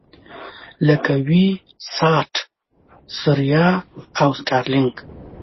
لکه وي-ساټ، ثریا او سټارلېنک.